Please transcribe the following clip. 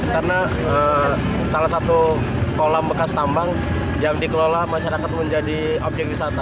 karena salah satu kolam bekas tambang yang dikelola masyarakat menjadi objek wisata